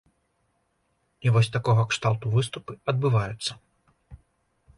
І вось такога кшталту выступы адбываюцца.